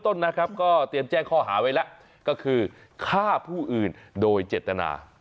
ต้นนะครับก็เตรียมแจ้งข้อหาไว้แล้วก็คือฆ่าผู้อื่นโดยเจตนา